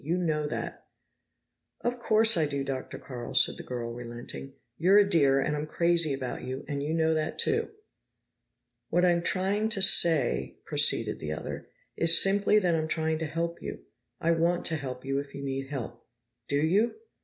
You know that." "Of course I do, Dr. Carl," said the girl, relenting. "You're a dear, and I'm crazy about you, and you know that, too." "What I'm trying to say," proceeded the other, "is simply that I'm trying to help you. I want to help you, if you need help. Do you?"